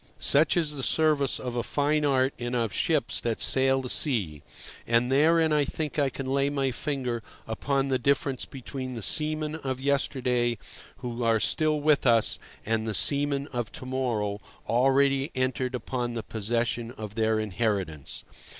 Such is the service of a fine art and of ships that sail the sea. And therein I think I can lay my finger upon the difference between the seamen of yesterday, who are still with us, and the seamen of to morrow, already entered upon the possession of their inheritance.